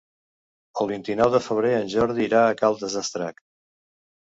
El vint-i-nou de febrer en Jordi irà a Caldes d'Estrac.